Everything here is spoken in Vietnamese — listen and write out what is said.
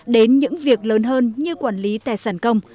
đến những việc lớn hơn như quản lý tài sản công